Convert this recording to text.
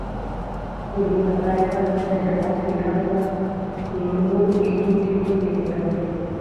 ګرګين غلی و، ده د آس د يال په مړو وېښتو کې ګوتې تېرولې.